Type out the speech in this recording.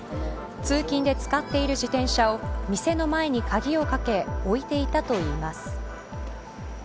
通勤で使っている自転車を店の前に、鍵をかけ置いていたといいます。